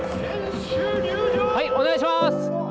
はいお願いします！